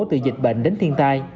từ dịch bệnh đến thiên tai